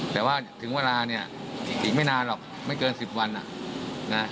แต่ว่าถึงเวลาเนี่ยอีกไม่นานหรอกไม่เกิน๑๐วัน